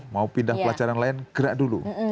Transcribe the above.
mau pindah pelajaran lain gerak dulu